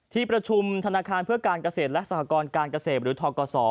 ที่ประชุมธนาคารเพื่อการเกษตรและสหกรการเกษตรหรือทกศ